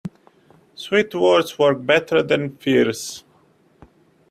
Sweet words work better than fierce.